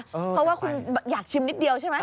เพราะว่าคุณอยากชิมนิดเดียวใช่ไหม